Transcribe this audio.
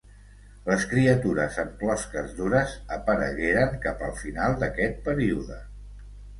Les criatures amb closques dures aparegueren cap al final d'aquest període.